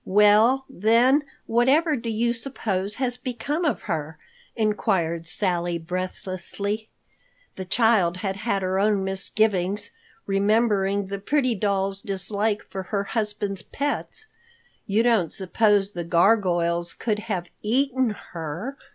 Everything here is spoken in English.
"Well, then, whatever do you suppose has become of her?" inquired Sally breathlessly. The child had had her own misgivings, remembering the pretty doll's dislike for her husband's pets. "You don't suppose the gargoyles could have eaten her?"